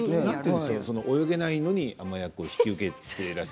泳げないのに海女役を引き受けたり。